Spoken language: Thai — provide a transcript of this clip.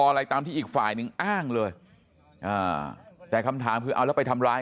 อะไรตามที่อีกฝ่ายหนึ่งอ้างเลยอ่าแต่คำถามคือเอาแล้วไปทำร้าย